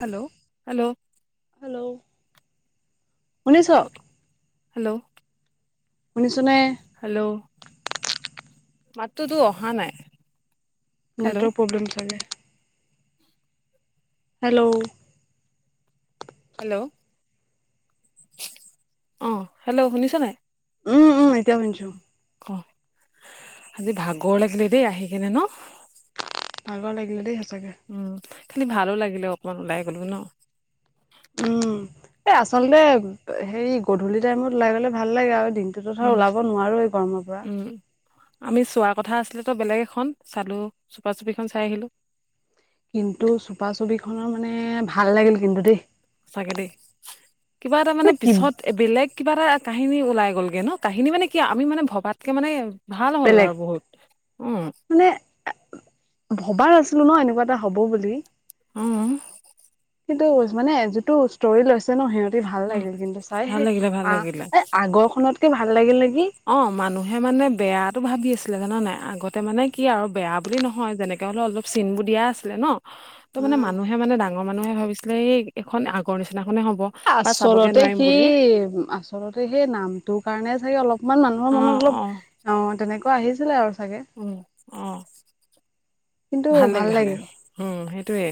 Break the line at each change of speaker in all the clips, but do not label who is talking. Hello hello.
Hello. [unintelligible]
Hello.
শুনিছনে?
Hello মাতটো ত অহা নাই। হেল্ল'
নেটৱৰ্ক প্ৰবলেম চাগে। হেল্ল'।
হেল্ল' অহ হেল্ল' শুনিছ নাই?
উ উ এতিয়া শুনচু।
অ আজি ভাগৰ লাগিলে দেই আহি কেনে ন?
ভাগৰ লাগিলে দেই সঁচাকে।
উম খালি ভালো লাগিলে অকমান ওলাই গলো ন?
উম এই আচলতে হেৰি গধূলি টাইমত ওলাই গলে ভাল লাগে আৰু দিন
উম, উম। আমি চোৱাৰ কথা আছিলটো বেলেগ এখন, চালো চুপা চুপিখন চাই আহিলো।
কিন্তু চুপা চুপিখনৰ মানে, ভাল লাগিল কিন্তু দেই।
চাগে দেই, কিবা এটা মানে পিছত বেলেগ কিবা এটা কাহিনী ওলাই গ'লগে ন। কাহিনী মানে কি আমি মানে ভবাতকে মানে ভাল হ'ল
বেলেগ
আৰু বহুত। উম।
মানে ভবা নাছিলো ন এনেকুৱা এটা হ'ব বুলি।
অ।
সেইটো মানে যিটো ষ্টৰি লৈছে ন সিহঁতি ভাল
উম
লাগিল কিন্তু চাই।
ভাল
সেই
লাগিলে ভাল
আ
লাগিলে
এ আগৰখনত ভাল লাগিল নেকি?
অ মানুহে মানে বেয়াটো ভাবি আছিলে জান নাই। আগতে মানে কি আৰু বেয়া বুলি নহয় যেনেকে নহলেও অলপ চিন বোৰ দিয়া আছিল ন। ত' মানে
উম
মানুহে মানে ডাঙৰ মানুহে ভাবিছিলে, এই এইখন আগৰ নিচিনাখনে হ'ব। বা চাবগে
আচলতে
নোৱাৰিম
সি
বুলি
আচলতে সেই নামটোৰ কাৰণে চাগে অলপ অকমান মানুহৰ মনত অলপ, অ তেনেকুৱা আহিছিলে আৰু চাগে।
উম, অ।
কিন্তু
ভাল লাগিলে খালি।
লাগিল
উম সেইটোয়ে।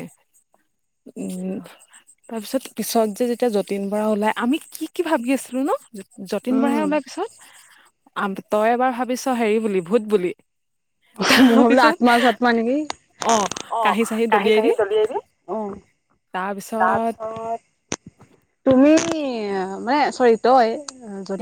তাৰপিছত পিছত যে যেতিয়া যতীন বৰা ওলাই, আমি কি কি ভাবি আছিলো ন? যতীন
উম
বৰাহে ওলাই পিছত। আম তই এবাৰ ভাবিছ হেৰি বুলি, ভূত বুলি।
মই বোলো
তাৰপিছত
আত্মা-চাত্মা নেকি, অ
কাঁহি চাহি
কাহি-চাহি
দি
দলিয়াই দিয়ে।
তাৰপিছত
তাৰপিছত তুমি মানে, চ'ৰি। তই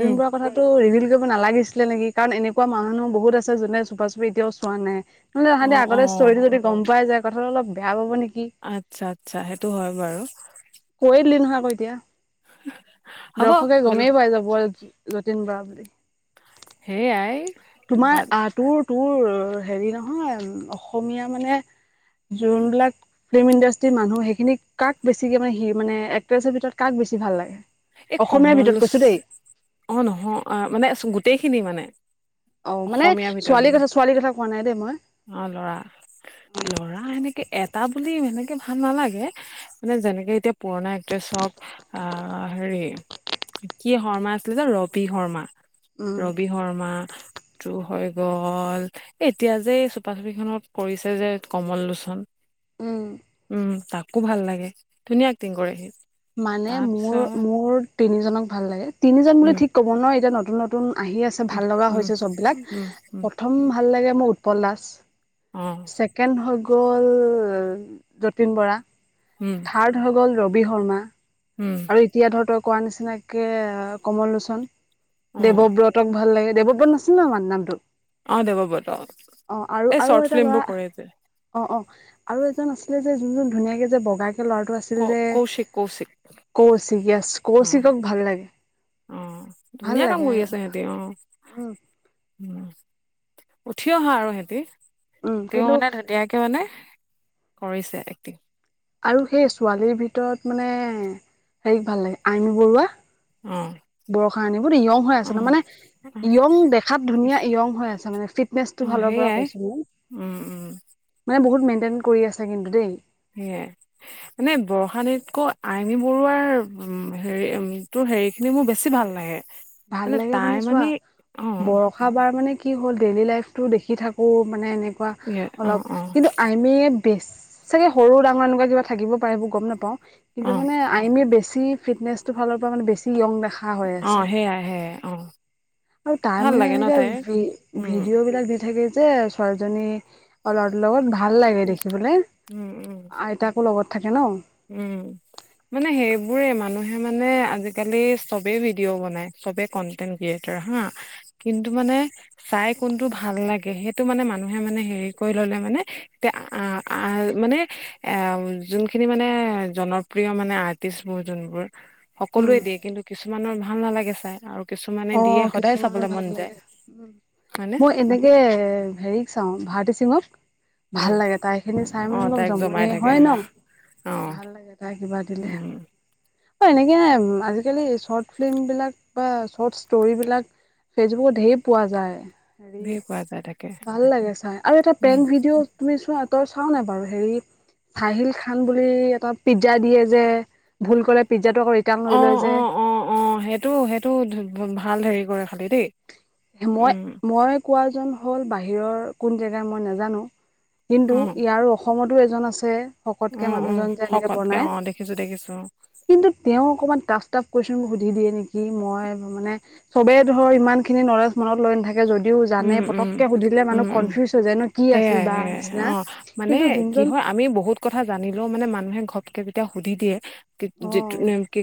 উম,
বৰাক কথাটো ৰিভিল কৰিব নালাগিছিলে নেকি? কাৰণ এনেকুৱা মানুহ বহুত আছে যোনে চুপা-চুপি এতিয়াও চোৱা নাই। [unintelligible] তাহাঁতি
অ',
আগতে
অ'।
ষ্টোৰীটো যদি গম পাই যায়, কথাটো অলপ বেয়া পাব নেকি?
আচ্ছা আচ্ছা সেইটো হয় বাৰু।
কৈ দিলি নহয় আকৌ এতিয়া।
হ'ব
দৰ্শকে
বেল
গমেই পাই যাব যতীন বৰা বুলি।
সেইয়াই
তোমাৰ আহ তোৰ তোৰ হেৰি নহয় অসমীয়া মানে জুন বিলাক ফিল্ম ইণ্ডাষ্ট্ৰীৰ মানুহ সেইখিনি কাক বেছিকে মানে, মানে এক্ট্ৰেছৰ ভিতৰত কাক বেছি ভাল লাগে?
এই
অসমীয়াৰ
কমল
ভিতৰত কৈছো দেই।
অ নহয়, অ মানে গোটেইখিনি মানে।
অ মানে,
অসমীয়াৰ ভিতৰত
ছোৱালীৰ
মানে
কথা, ছোৱালীৰ কথা কোৱা নাই দেই মই।
অ ল'ৰা, ল'ৰা সেনেকে এটা বুলি এনেকে ভাল নালাগে। মানে যেনেকে এতিয়া পুৰণা এক্ট্ৰেছ হওঁক, আ আ হেৰি কি শৰ্মা আছিলে যে? ৰবি শৰ্মা।
উম
ৰবি শৰ্মাটো হৈ গ'ল। এতিয়া যে এই চুপা চুপিখনত কৰিছে যে, কমল লোচন।
উম
উম তাকো ভাল লাগে। ধুনীয়া এক্টিং কৰে সি।
মানে
তাৰপিছত
মোৰ-মোৰ তিনিজনক ভাল লাগে। তিনিজন
উম
বুলি ঠিক ক'ব নোৱাৰোঁ। এতিয়া নতুন নতুন আহি আছে ভাল লগা
উম
হৈছে চব বিলাক।
উম উম উম
প্ৰথম ভাল লাগে মোৰ উৎপল দাস।
অ
ছেকেণ্ড হৈ গ'ল যতীন বৰা।
উম।
থাৰ্ড হৈ গ'ল ৰবি শৰ্মা।
উম।
আৰু এতিয়া ধৰ তই কোৱা নিচিনাকে কমল লোচন।
অ
দেৱব্ৰতক ভাল লাগে। দেৱব্ৰত নাছিল জানো তাৰ নামটো?
অ দেৱব্ৰত অ
অ আৰু
এই
আৰু
শৰ্ট
এটা
ফিল্ম
ল'ৰা
বোৰ কৰে যে।
অ' অ' আৰু এজন আছিলে যে, যোনজন ধুনীয়াকে যে বগাকে ল'ৰাটো আছিল
ক
যে
কৌশিক-কৌশিক।
কৌশিক ইয়েছ, কৌশিকক ভাল লাগে।
অ'
ভাল
ধুনীয়া কাম
লাগে
কৰি আছে সিহঁতে। উ'
উম
উঠি অহা আৰু সিহতি।
উম
তেওঁ
কিন্তু
মানে ধুনীয়াকে মানে কৰিছে এক্টিং।
আৰু সেই ছোৱালীৰ ভিতৰত মানে হেৰিক ভাল লাগে আইমি বৰুৱা।
অ'।
বৰষাৰাণী বহুত য়ং হৈ
অ
আছে ন' মানে
অ
য়ং দেখাত ধুনীয়া য়ং হৈ আছে মানে, ফিটনেচ টো ফালৰ পৰা
সেইয়াই
কৈছো মানে।
উম', উম'।
মানে বহুত মেইনটেইন কৰি আছে কিন্তু দেই।
সেয়াই। মানে বৰষাৰাণীতকৈ আইমী বৰুৱাৰ উ' হেৰি উম' তটো হেৰি সেই খিনি মোৰ বেছি ভাল লাগে।
ভাল লাগে মানে চোৱা,
অ
বৰ বৰষা বাৰ মানে কি হ'ল, ডেইলি লাইফটো দেখি থাকো। মানে এনেকুৱা
অ
অলপ
অ
কিন্তু আইমী বেছি সৰু ডাঙৰ এনেকুৱা কিবা থাকিব পাৰেিবোৰ গম নাপাও কিন্তু
অ
মানে আইমি বেছি ফিটনেচটো ফালৰ পৰা মানে বেছি য়ং দেখা হৈ আছে
অ' সেইয়াই-সেয়াই অ'।
আৰু তাই
ভাল
মানে,
লাগে ন তাইৰ
এনেকৈ
উম,
ভিডিঅ' বিলাক দি থাকে যে ছোৱালীজনী আৰু লৰাটো লগত ভাল লাগে দেখিবলে।
উম, উম।
আইতাক কো লগত থাকে ন'।
উম'। মানে সেইবোৰে মানুহে মানে আজিকালি চবে ভিডিঅ' বনাই, চবে কনটেনট ক্ৰিয়েটাৰ হা' কিন্তু মানে চাই কোনটো ভাল লাগে সেইটো মানে, মানুহে মানে হেৰি কৰি ললে মানে মানে এ যোনখিনি মানে জনপ্ৰি়কৰণৰ মানে অৰ্টিছবোৰ যোনবোৰ
উম
সকলোৱে দিয়ে কিন্তু কিছুমানৰ ভাল নালাগে চাই আৰু কিছুমানে
অ
দিয়ে সদায়
কিছুমানৰ
চাবলে
ভাল
মন যায়।
লাগে উম
হয়নে?
মই এনেকে হেৰিক চাওঁ ভাৰতী সিঙক। ভাল
অ',
লাগে তাই খিনি চাই মানে
অ',
অলপ
তাইক জমাই
জমনি
থাকে
হয় ন'
অ',
ভাল লাগে। কিবা দিলে।
উম।
অ' এনেকে না আজিকালি চৰ্ট ফিল্ম বিলাক বা শৰ্ট ষ্টোৰী বিলাক ফেচবুকত ঢেৰ পোৱা যায়। হেৰি,
ধেৰ পোৱা যায় তাকে
ভাল লাগে চাই আৰু এটা
উম।
প্ৰেংক ভিডিঅ তুমি চোৱা তই চাও নে বাৰু হেৰি চাহিল খান বুলি এটা পিজ্জা দিয়ে যে, ভুল কৰে পিজ্জাটো আকৌ ৰিটাৰ্ণ লৈ লয়
অ',
যে।
অ', অ', অ' সেইটো সেই টো ভাল হেৰি কৰে খালি দেই। উম,
মই-মই কোৱাজন হ'ল বাহিৰৰ কোন জেগাৰ মই নাজানো। কিন্তু
অ',
ইয়াৰ অসমতো এজন আছে। শকতকে
অ', অ',
মানুহজন যে, এনেকে
শকতকে
বনায়।
অ', দেখিছোঁ দেখিছোঁ অ',
কিন্তু তেওঁ অকণমান টফ-টাফ কোৱেইছন সুধি দিয়ে নেকি, মই মানে চবে ধৰ ইমান খিনি নলেজ মনত লৈ নাথাকে যদিও জানে
উম, উম।
পতককে সুধিলে
উম,
মানুহ
উম,
কনফিউজ হৈ যায় ন' কি আছিল
সেয়াই
বা
সেয়াই
নিচিনা
অ'। মানে
কিন্তু
কি
যোনজন
হয় আমি বহুত কথা জানিলেও মানে মানুহে ঘপ কে যেতিয়া সুধি দিয়ে
অ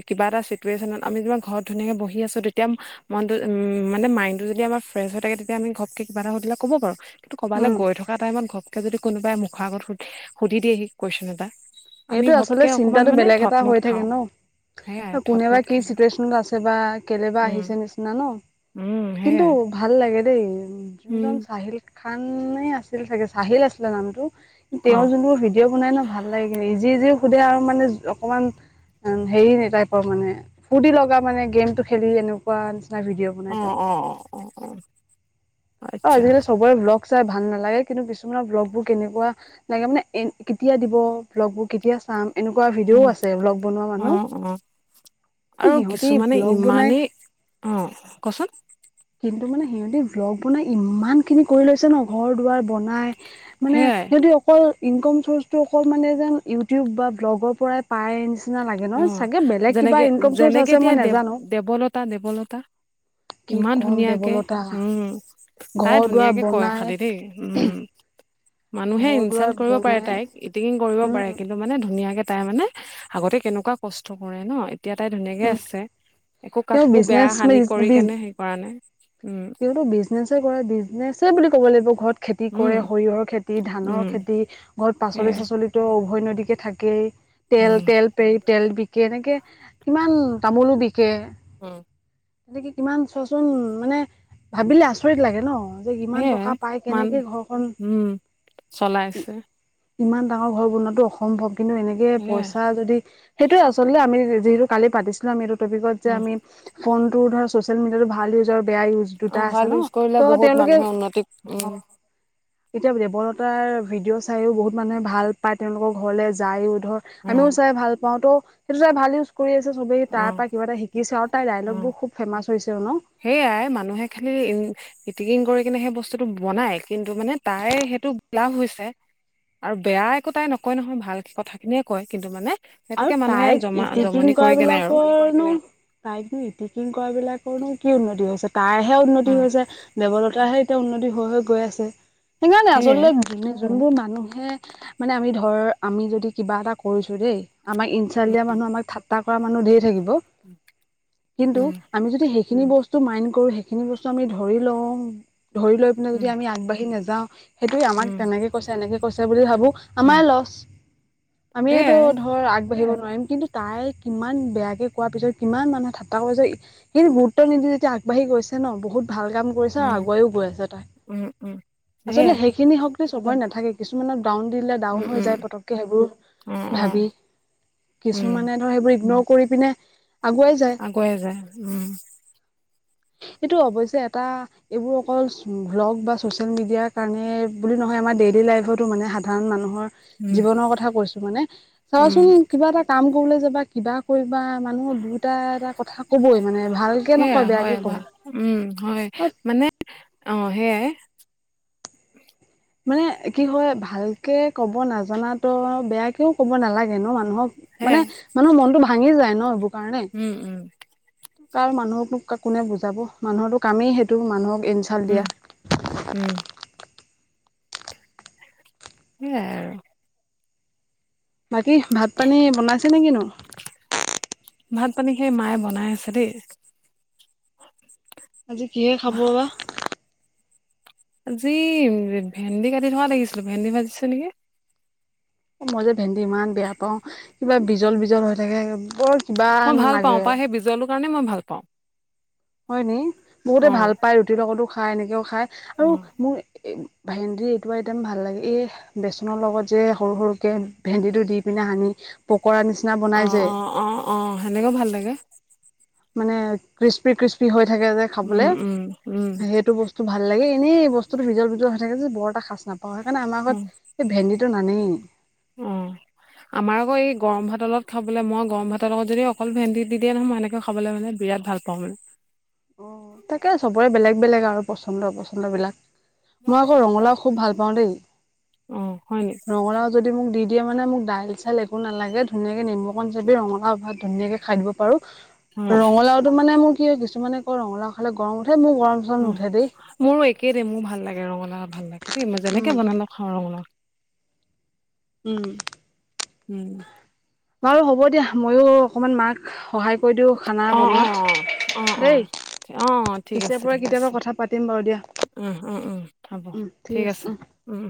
কিবা এটা চিটুৱেশ্যনত আমি তোমাৰ ঘৰত ধুনীয়াকে বহি আছো তেতিয়া মন টো উম মানে মাইণ্ডতটো যদি আমাৰ ফ্ৰেছ হৈ থাকে আমি ঘপক কিবা এটাুধিলে কব পাৰো কিন্তু ক'বাল
উম
গৈ থকা কা টাইমত ঘপ্‌কে যদি কোনোবাই মুখৰ আগত সু-সুধি দিয়হি কুৱেশ্বন এটা আমি
সেইটো আচলতে
ঘপকে অকমান
চিন্তাটো
মানে
বেলেগ
থট
এটা
মত
হৈ থাকে
খাওঁ
ন?
সেয়াই থট
কোনেবা
মত
কি
খাই দিওঁ
চিটুৱেশ্বনত আছ বা কেলে বা
উম
আহিছে নিচিনা ন?
উম
কিন্তু
সেয়াই
ভাল লাগে দেই৷ উ যোনজন
উম
চাহিল খান এ আছিল চাগে চাহিল আছিলে নামটো৷
অ
তেওঁৰ যোনবোৰ ভিড ভিডিঅ' বনাই ন ভাল লাগে কিন্তু ইজি ইজি সুধে আৰু মানে অকমান হেৰি টাইপৰ মানে, ফুৰ্টি লগা মানে গেমটো খেলি এনেকুৱা নিচিনা ভিডিঅ'
অ',
বনাই তেওঁ
অ', অ', অ', অ', অ।
অ আজিকালি চবৰে ব্লগ চাই ভাল নালাগে কিন্তু কিছুমানৰ ব্লগ বোৰ কেনেকুৱা লাগে মানে এ কেতিয়া দিব? ব্লগবোৰ কেতিয়া চাম? এনেকুৱা
উম
ভিডিঅ'ও আছে ব্লগ বনোৱা
অ
মানুহ৷
অ
কিন্তু
আৰু
সিহঁতি
কিছুমানে
ব্লগ বনাই
ইমানেই, অ, কচোন?
কিন্তু মানে সিহঁতি ব্লগ বনাই ইম্মান খিনি কৰি লৈছে ন ঘৰ দুৱাৰ বনাই মানে
সেয়াই
সিহঁতি অকল ইনকম চোৰ্চটো অকল মানে যেন ইউটিউব বা ব্লগৰ পৰাই পায় নিচিনা লাগে
অ
ন'? চাগে বেলেগ কিবা
যেনেকে
ইনকম চোৰ্চ আছে মই নেজানো৷
তা, দেৱলতা
কি
ইমান
কম
ধুনীয়াকে
দেৱলতা
উম তাই
ঘৰ দুৱাৰ
ধুনীয়াকে কয়
বনাই
খালি দেই, উম্‌ মানুহে
ঘৰ দুৱাৰ
ইনচাল্ট কৰিব পাৰে
বনাই
তাইক, ইতিকিং কৰিব পাৰে
উম
কিন্তু মানে ধুনীয়াকে তাই মানে, আগতে কেনেকুৱা কষ্ট কৰে ন'। এতিয়া তাই ধুনীয়াকে
উম
আছে, একো
তেওঁ
কাকো বেয়া হানি কৰি
বিজনেচ
কেনে হেই কৰা নাই, উম।
বিজনেজ হে কৰে, বিজনেছ বুলি ক'ব লাগিব ঘৰত খেতি
উম,
কৰে৷ সৰিয়ঁহৰ খেতি, ধানৰ
উম,
খেতি, ঘৰত পাচলি
সেয়াই
চাচলি উভয় নদীকে থাকেই৷ তেল
উম,
তেল পেৰি তেল বি বিকে৷ এনেকে কিমান, তামোলো বিকে
উম।
তেনেকে কিমান, চোৱাচোন, মানে ভাবিলে আচৰিত লাগে ন'? যে, কিমান
সেয়াই
টকা পায়
মান
কেনেকে ঘৰখন
উম, চলাইছে
ইমান ডাঙৰ ঘৰ বনোৱাটো অসম্ভৱ, কিন্তু এনেকে
সেয়াই
পইচা যদি, সেইটোয়ে আচলতে আমি যিহতু কালি পাতিছিলো আমি এইটো টপিকত যে
উম,
আমি ফোনটো ধৰা ছ'চিয়েল মিডিয়াটো ভাল ইউজ আৰু বেয়া ইউজ দুটা
অ', ভাল
আছে ন'?
ইউজ কৰিলে বহুত
ত'তেওঁলোকে,
মানুহে উন্নতি উম,
অ'। তেতিয়া দেৱলতাৰ ভিডিঅ' চায়ও বহুত মানুহে ভাল পায় তেওঁলোকৰ ঘৰলে যায়ো ধৰ আমিও
উম,
চাই ভাল পাওঁ ত' সেইটো চাই ভাল ইউজ কৰি আছে চবেই৷তাইৰ
উম,
পৰা কিবা এটা শিকিছে আৰু তাইৰ
উম,
ডাইলগবোৰ খুব ফেমাছ হৈছেও ন'?
সেইয়াই মানুহে খালি উ ইতিকিং কৰি কিনে সেই বস্তুটো বনাই কিন্তু মানে তাই সেইটো লাভ হৈছে৷ আৰু বেয়া একো তাই নকয় নহয়, ভাল কথাখিনিয়ে কয় কিন্তু মানে
আৰু
সেইটোকে মানুহে
তাইক
জমা
ইতিকিং
জমনি
কৰা
কৰি কেনে আৰু
বিলাকৰ নো তাইকনো ইতিকিং কৰা বিলাকৰনো কি উন্নতি হৈছে? তাইৰহে উন্নতি
উম,
হৈছে৷ দেৱলতাহে এতিয়া উন্নতি হৈ হৈ গৈ আছে৷ সেইকাৰণে
সেয়াই
আচলতে যোনবোৰ মানুহে, মানে আমি ধৰ, আমি যদি কিবা এটা কৰিছো দেই আমাক ইনচাল্ট দিয়া মানুহ আমাক ঠাট্টা কৰা মানুহ ধেৰ থাকিব৷কিন্তু
উম,
আমি যদি সেইখিনি বস্তু মাইন কৰো, সেইখিনি বস্তু আমি ধৰি লওঁ ধৰি লৈ পিনে যদি
উম,
আমি আগবাঢ়ি নাযাওঁ সেইটোৱে আমাক
উম,
তেনেকে কৈছে এনেকে কৈছে বুলি ভাবো
উম,
আমাৰে লছ, আমিয়েটো
সেয়াই
আগবাঢ়িব নোৱাৰিম, কিন্তু তাই কিমান বেয়াকে কোৱাৰ পিছতো কিমান মানুহে ঠাট্টা কৰা পিছত সেইখিনি গুৰুত্ব নিদি যেতিয়া আগবাঢ়ি গৈছে ন' বহুত ভাল কাম কৰিছে
উম,
আগুৱাইও গৈ আছে তাই৷
উম, উম, সেয়াই
আচলতে সেইখিনি শ চবৰে নাথাকে৷কিছুমানক ডাউন দিলে
উম,
ডাউন হৈ
উম,
যায় পতককে সেইবোৰ
অ',
ভাবি
অ', উম,
কিছুমানে ধৰ সেইবোৰ ইগনোৰ কৰি পিনে আগুৱাই যায়৷
আগুৱাই যায়, উম।
সেইটো অৱশ্যে এটা এইবোৰ অকল চ ভ্লগ বা ছ'চিয়েল মিডিয়াৰ কাৰণে, বুলি নহয়। আমাৰ ডেইলী লাইফতো মানে সাধাৰণ মানুহৰ
উম,
জীৱনৰ কথা কৈছো মানে।
উম,
চাবাচোন, কিবা এটা কাম কৰিবলৈ যাবা, কিবা কৰিবা, মানুহৰ দুটা এটা কথা ক'বই মানে। ভালকে
সেয়া
নকয়।
হয়
বেয়াকেই
ভা উম, হয়। মানে, অ' সেইয়াই।
মানে, কি হয়, ভালকে ক'ব নাজানাতো, বেয়াকেও ক'ব নালাগে ন' মানুহক মানে,
সেয়াই
মানুহৰ মনটো ভাঙি যায় ন' এইবোৰ কাৰণে।
উম, উম,
কাৰ মানুহকনো কোনে বুজাব? মানুহৰটো কামেই সেইটো মানুহক ইণ
উম, উম। সেয়াই আৰু।
বাকী, ভাত-পানী বনাইছে নে কিনো?
ভাত-পানী সেই মায়ে বনাই আছে দেই।
আজি কিহে খাব বা?
আজি ভেন্দি কাটি থকা দেখিছিলো। ভেন্দি ভাজিছে নেকি?
মই যে ভেন্দি ইমান বেয়া পাওঁ, কিবা বিজল বিজল হৈ থাকে বৰ কিবা
মই ভাল পাওঁ
লাগে
পায়, সেই বিজলটোৰ কাৰণেই মই ভাল পাওঁ।
হয় নি? বহুতে
অ',
ভাল পায়, ৰুটিৰ লগতো খাই, এনেকেও খাই, আৰু
অ',
মোৰ এ ভেন্দিৰ এইটো আইটেম ভাল লাগে। এই বেচনৰ লগত যে সৰু সৰুকে ভেন্দিটো দি পিনে সানি, পকৰা নিচিনা বনাই
অ',
যে।
অ', অ', অ' সেনেকেও ভাল লাগে।
মানে ক্ৰিস্পি ক্রিস্পি হৈ থাকে যে খাবলে,
উম, উম, উম,
সেইটো বস্তু টো ভাল লাগে, এনেই বস্তুটো বিজল বিজল হৈ থাকে যে বৰ এটা খাচ নাপ অ', সেইকাৰণে আমাৰ ঘৰত এই ভেন্দিটো নানেই।
উম। আমাৰ আকৌ এই গৰম ভাতৰ লগত খাবলৈ, মই গৰম ভাতৰ লগত যদি অকল ভেন্দি দি দিয়ে নহয়, মই এনেকেও খাবলৈ মানে বিৰাট ভাল পাওঁ।
অ' তাকে চবৰে বেলেগ বেলেগ আৰু পচন্দ পচন্দ বিলাক। মই আকৌ ৰঙালাউ খুব ভাল পাওঁ দেই।
অ হয় নি
ৰঙালাউ যদি মোক দি দিয়ে মানে মোক ডাইল -চাইল একো নালাগে, ধুনীয়াকে নেমুকণ চেপি ৰঙালাউ ভাত ধুনীয়াকৈ খাই দিব পাৰোঁ।
অ
ৰঙালাউ টো মানে মোৰ কি হয়, কিছুমানে কয় ৰঙালাউ খালে গৰম উঠে, মোৰ গৰম-চৰম
অ
নুঠে দেই।
মোৰো একেই দেই, মোৰ ভাল লাগে ৰঙালাউ ভাল লাগে দেই। মই যেনেকে
উম
বনালো খাওঁ ৰঙালাউ।
উম,
উম
বাৰু হ'ব দিয়া। মইও অকমান মাক সহায় কৰি দিওঁ খানা
অ অ অ
বনোৱাত।
অ
দেই,
অ অ ঠিক
পিছে
আছে
পৰে
ঠিক আছে
কেতিয়াবা কথা পাতিম বাৰু দিয়া।
উম উম উম, হ'ব ঠিক আছে। উম,